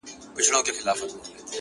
په يوه جـادو دي زمـــوږ زړونه خپل كړي ـ